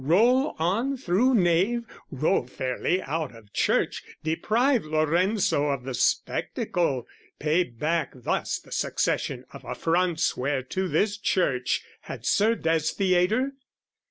Roll on through nave, roll fairly out of church, Deprive Lorenzo of the spectacle, Pay back thus the succession of affronts Whereto this church had served as theatre?